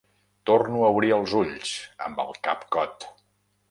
Torno a obrir els ulls, amb el cap cot.